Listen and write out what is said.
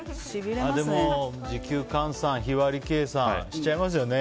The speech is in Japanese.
時給換算日割り計算しちゃいますよね。